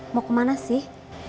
mau kemana sih